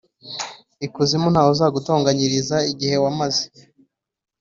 ikuzimu nta we uzagutonganyiriza igihe wamaze!